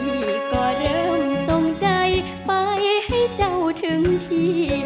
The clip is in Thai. พี่ก็เริ่มทรงใจไปให้เจ้าถึงที่